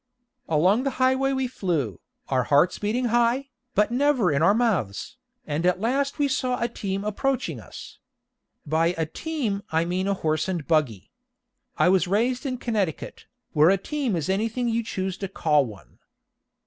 Along the highway we flew, our hearts beating high, but never in our mouths, and at last we saw a team approaching us. By "a team" I mean a horse and buggy. I was raised in Connecticut, where a team is anything you choose to call one.